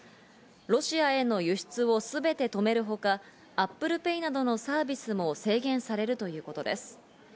ロシアへの輸出をすべて止めるほか、ＡｐｐｌｅＰａｙなどのサービスも制限されるということです。